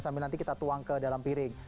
sambil nanti kita tuang ke dalam piring